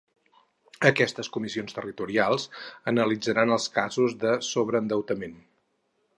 Aquestes comissions territorials analitzaran els casos de sobreendeutament.